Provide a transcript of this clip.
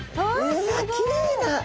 うわっきれいな。